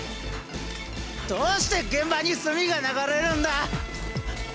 どうして現場にすみが流れるんだ！